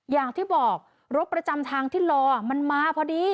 อย่างที่บอกรถประจำทางที่รอมันมาพอดี